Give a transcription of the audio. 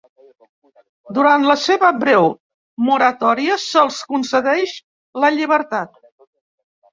Durant la seva breu moratòria, se'ls concedeix la llibertat.